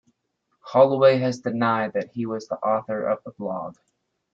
Holloway has denied that he was the author of the blog.